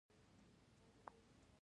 د انټرنیټ څخه مثبته ګټه واخلئ.